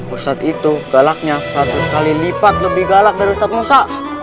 ustadz itu galaknya satu kali lipat lebih galak dari ustadz nusa